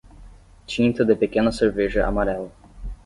Tinta de pequena cerveja amarela.